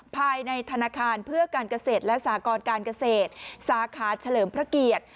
ภายในธนาคารเพื่อการเกษตรและสากรการเกษตรสาขาเฉลิมพระเกียรติ